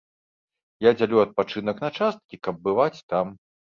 Я дзялю адпачынак на часткі, каб бываць там.